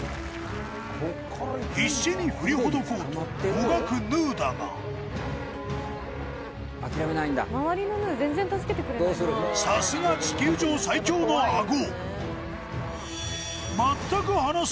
必死に振りほどこうともがくヌーだがさすが地球上最強のアゴ